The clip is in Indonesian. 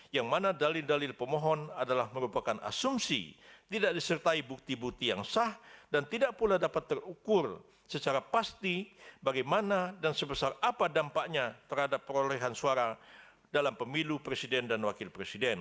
yang mana dalil dalil pemohon adalah merupakan asumsi tidak disertai bukti bukti yang sah dan tidak pula dapat terukur secara pasti bagaimana dan sebesar apa dampaknya terhadap perolehan suara dalam pemilu presiden dan wakil presiden